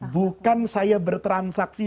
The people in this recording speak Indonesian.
bukan saya bertransaksi